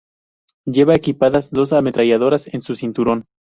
Lleva equipadas dos ametralladoras en su cinturón.